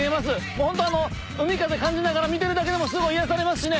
ホント海風感じながら見てるだけでもすごい癒やされますしね